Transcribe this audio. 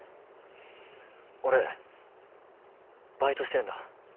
俺バイトしてるんだ。